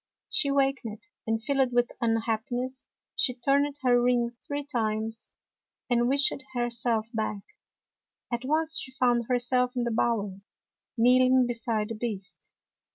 She wakened, and filled with unhappiness, she turned her ring three times, and wished herself back. At once she found herself in the bower, kneeling beside the Beast.